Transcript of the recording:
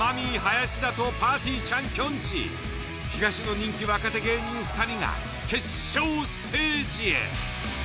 東の人気若手芸人２人が決勝ステージへ。